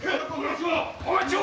お待ちを！